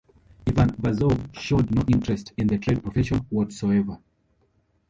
Ivan Vazov showed no interest in the trade profession whatsoever.